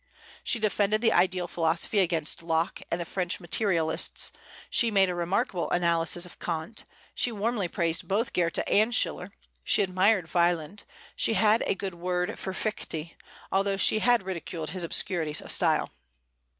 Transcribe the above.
She defended the ideal philosophy against Locke and the French materialists; she made a remarkable analysis of Kant; she warmly praised both Goethe and Schiller; she admired Wieland; she had a good word for Fichte, although she had ridiculed his obscurities of style.